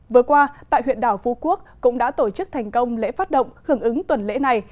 vừa qua tại huyện đảo phú quốc cũng đã tổ chức thành công lễ phát động hưởng ứng tuần lễ này